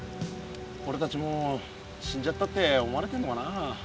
おれたちもう死んじゃったって思われてんのかなあ。